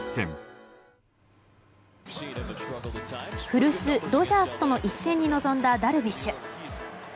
古巣ドジャースとの一戦に臨んだダルビッシュ。